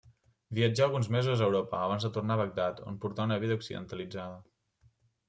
Viatjà alguns mesos a Europa, abans de tornar a Bagdad, on portà una vida occidentalitzada.